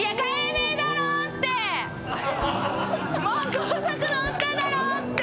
もう高速のっただろって！